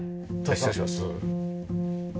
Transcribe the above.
失礼します。